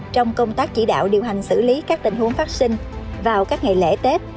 trong công tác chỉ đạo điều hành xử lý các tình huống phát sinh vào các ngày lễ tết